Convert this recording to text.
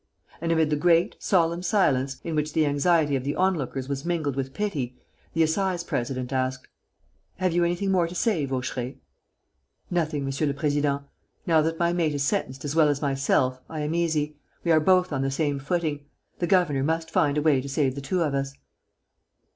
And, amid the great, solemn silence, in which the anxiety of the onlookers was mingled with pity, the assize president asked: "Have you anything more to say, Vaucheray?" "Nothing, monsieur le president. Now that my mate is sentenced as well as myself, I am easy.... We are both on the same footing.... The governor must find a way to save the two of us."